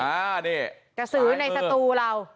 กระสือไว้ในสตูเรา